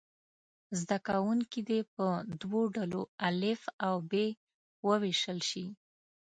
زده کوونکي دې په دوو ډلو الف او ب وویشل شي.